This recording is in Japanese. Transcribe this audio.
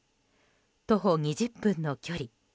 徒歩２０分の距離。